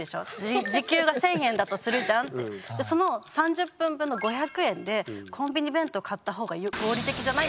「じゃあその３０分ぶんの５００円でコンビニ弁当買った方が合理的じゃない？」